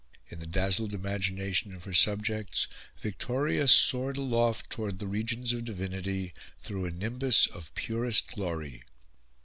In the dazzled imagination of her subjects Victoria soared aloft towards the regions of divinity through a nimbus of purest glory.